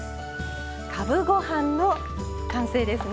かぶご飯の完成ですね。